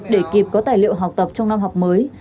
để kịp có tài liệu học tập trong năm học mới